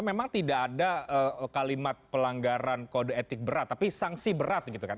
memang tidak ada kalimat pelanggaran kode etik berat tapi sanksi berat gitu kan